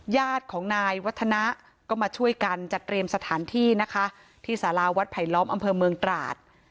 ญาติของนายวัฒนะก็มาช่วยกันจัดเตรียมสถานที่นะคะที่สาราวัดไผลล้อมอำเภอเมืองตราด